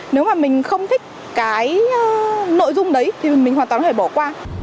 nếu mà mình không thích cái nội dung đấy thì mình hoàn toàn phải bỏ qua